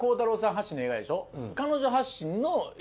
発信の映画でしょ。